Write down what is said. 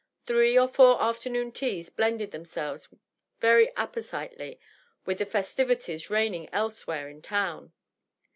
Three or four afternoon teas blended themselves very appositely witix the festivi ties reigning elsewhere in town.